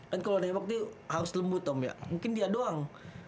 kan kalau nembak tuh harus lembut om ya mungkin dia doang